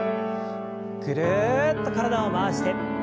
ぐるっと体を回して。